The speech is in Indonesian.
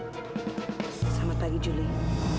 selamat pagi julie